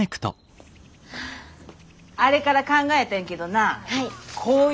あれから考えてんけどなこういう形状はどないや。